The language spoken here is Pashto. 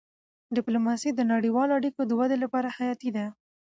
ډيپلوماسي د نړیوالو اړیکو د ودې لپاره حیاتي ده.